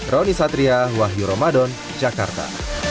roni satria wahyu ramadan jakarta